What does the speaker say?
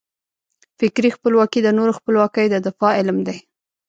فکري خپلواکي د نورو خپلواکیو د دفاع علم دی.